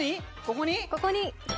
ここに。